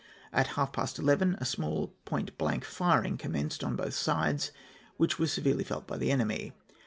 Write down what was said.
At half past eleven a smart point blank firing commenced on both sides, which was severely felt by the enemy.